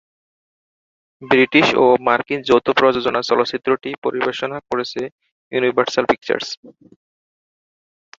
British ও মার্কিন যৌথ প্রযোজনার চলচ্চিত্রটি পরিবেশনা করেছে ইউনিভার্সাল পিকচার্স।